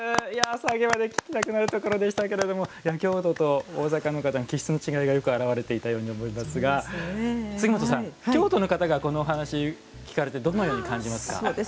最後まで聞きたくなるところでしたが京都と大阪の方の気質の違いがよく表れていたように思いますが京都の方がこのはなし聞かれてどんなふうに感じますか？